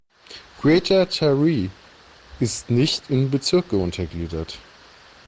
Greater Taree ist nicht in Bezirke untergliedert.